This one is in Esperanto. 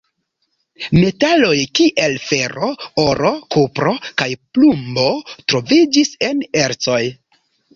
Metaloj kiel fero, oro, kupro kaj plumbo troviĝis en ercoj.